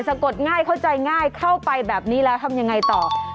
กดง่ายเข้าใจง่ายเข้าไปแบบนี้แล้วทำยังไงต่อ